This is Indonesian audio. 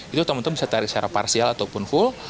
itu teman teman bisa tarik secara parsial ataupun full